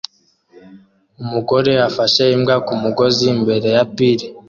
Umugore afashe imbwa kumugozi imbere ya pir